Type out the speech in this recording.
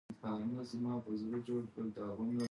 ازادي راډیو د سوله په اړه د هر اړخیزو مسایلو پوښښ کړی.